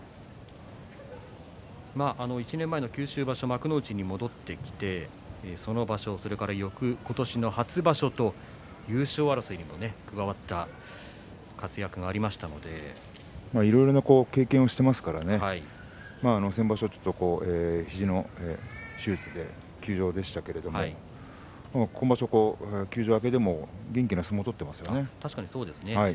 １年前の九州場所幕内に戻ってきてその場所、そして今年の初場所と優勝争いにも加わったいろいろな経験をしていますからね先場所ちょっと肘の手術で休場でしたけれども今場所休場明けでも元気な相撲を取っていますね。